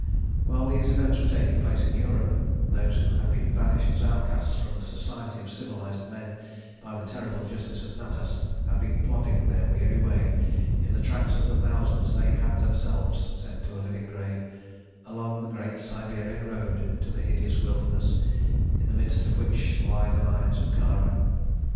While these events were taking place in Europe, those who had been banished as outcasts from the society of civilised men by the terrible justice of Natas had been plodding their weary way, in the tracks of the thousands they had themselves sent to a living grave, along the Great Siberian Road to the hideous wilderness, in the midst of which lie the mines of Kara.